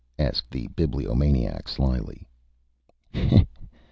asked the Bibliomaniac, slyly.